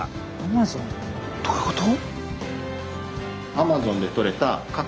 どういうこと？